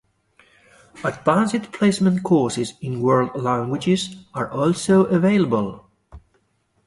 Advanced Placement courses in World Languages are also available.